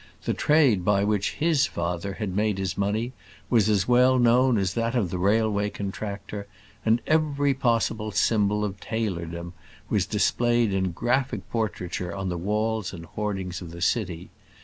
The trade by which his father had made his money was as well known as that of the railway contractor; and every possible symbol of tailordom was displayed in graphic portraiture on the walls and hoardings of the city.